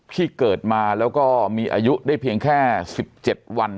ที่เกิดมาแล้วก็มีอายุได้เพียงแค่๑๗วัน